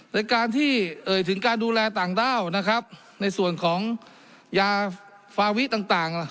ในการที่เอ่ยถึงการดูแลต่างด้าวนะครับในส่วนของยาฟาวิต่างล่ะ